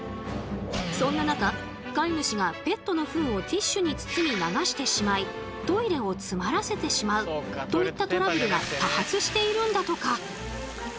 そんな中飼い主がペットのフンをティッシュに包み流してしまいトイレを詰まらせてしまうといったトラブルが多発しているんだとか。